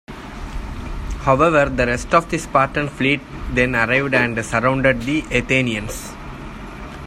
However, the rest of the Spartan fleet then arrived and surrounded the Athenians.